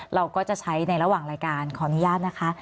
เราก็จะใช้ในระหว่างรายการขออนุญาตนะคะ